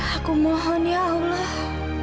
aku mohon ya allah